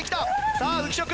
さあ浮所君